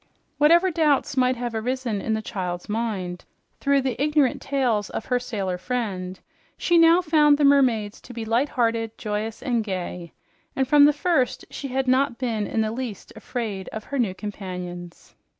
Whatever doubts might have arisen in the child's mind through the ignorant tales of her sailor friend, she now found the mermaids to be light hearted, joyous and gay, and from the first she had not been in the least afraid of her new companions.